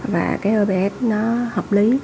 và cái obs nó hợp lý